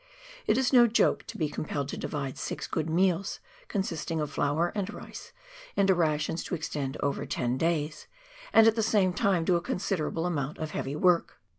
It is no joke to be compelled to divide six good meals consisting of flour and rice into rations to extend over ten days, and at the same time do a considerable amount of heavy work.